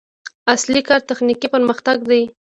اصلي کار تخنیکي پرمختګ دی.